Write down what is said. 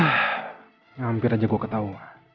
hampir aja gue ketau